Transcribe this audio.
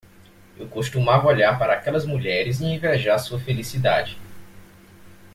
Eu costumava olhar para aquelas mulheres e invejar sua felicidade.